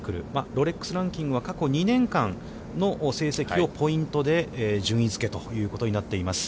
ロレックス・ランキングは過去２年間の成績をポイントで順位付ということになっています。